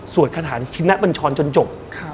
สวดคาถาชิ้นนักบรรชอนจนจบ